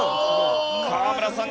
河村さん